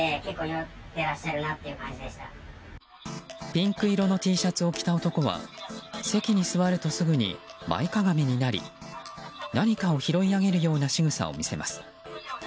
ピンク色のＴシャツを着た男は席に座るとすぐに前かがみになり何かを拾い上げるようなしぐさを見せます。